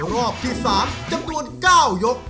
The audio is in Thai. รอบที่๓จำนวน๙ยก